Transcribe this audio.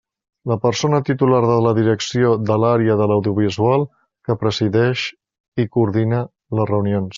La persona titular de la Direcció de l'Àrea de l'Audiovisual, que presideix i coordina les reunions.